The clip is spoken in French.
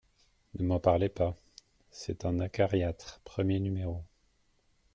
Ne m’en parlez pas… c’est un acariâtre, premier numéro…